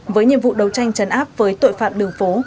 với nhiệm vụ đấu tranh chấn áp với tội phạm đường phố